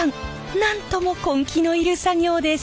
なんとも根気のいる作業です。